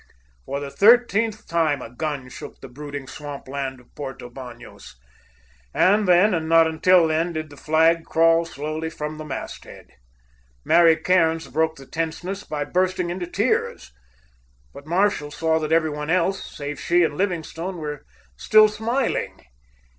For the thirteenth time a gun shook the brooding swamp land of Porto Banos. And then, and not until then, did the flag crawl slowly from the mast head. Mary Cairns broke the tenseness by bursting into tears. But Marshall saw that every one else, save she and Livingstone, were still smiling.